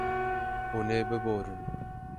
Hûn ê biborin.